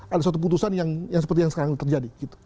ada satu keputusan yang seperti yang sekarang terjadi gitu